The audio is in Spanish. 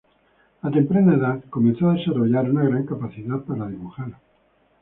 A temprana edad comenzó a desarrollar una gran capacidad para dibujar.